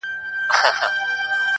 بو ډا تللی دی پر لار د پخوانیو!